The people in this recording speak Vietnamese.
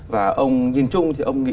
và ông nhìn chung thì ông nghĩ